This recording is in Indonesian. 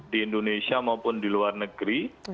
di indonesia maupun di luar negeri